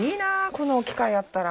この機械あったら。